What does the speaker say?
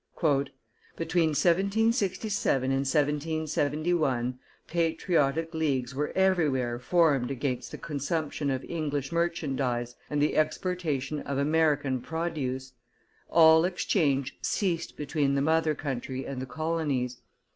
"Between 1767 and 1771 patriotic leagues were everywhere formed against the consumption of English merchandise and the exportation of American produce; all exchange ceased between the mother country and the colonies.